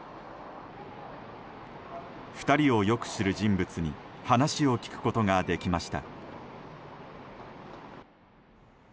２人をよく知る人物に話を聞くことができました。